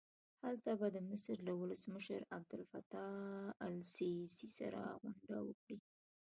هلته به د مصر له ولسمشر عبدالفتاح السیسي سره غونډه وکړي.